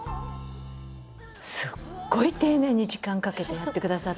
すっごい丁寧に時間かけてやってくださった。